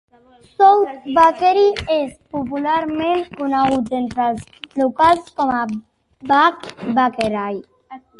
South Vacherie és popularment conegut entre els locals com a Back Vacherie.